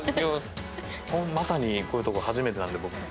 まさにこういうとこ初めてなので僕も。